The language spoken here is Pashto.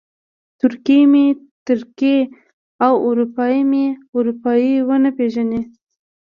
ترکي مې ترکي او اروپایي مې اروپایي ونه پېژني.